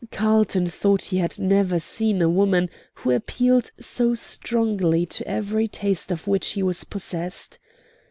Carlton thought he had never seen a woman who appealed so strongly to every taste of which he was possessed.